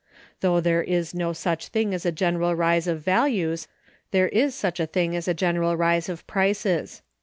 Though there is no such thing as a general rise of values, there is such a thing as a general rise of prices.